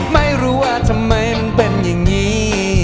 ไม่รู้ว่าทำไมมันเป็นอย่างนี้